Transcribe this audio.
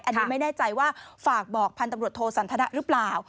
อันนี้ไม่แน่ใจว่าฝากบอกพันธบรวจโทสันทนะหรือเปล่า